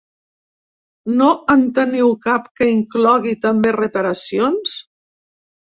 No en teniu cap que inclogui també reparacions?